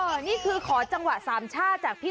แล้วน้องคนนี้ก็เหมือนคนที่มาดูแล้วก็ขอเพลงอะไรแบบนี้